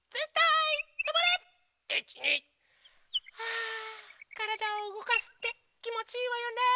あからだをうごかすってきもちいいわよね。